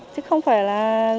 chứ không phải là